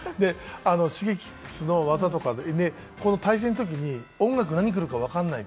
Ｓｈｉｇｅｋｉｘの技とか、この対戦のときに音楽、何くるか分からない。